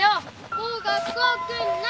もう学校来んな！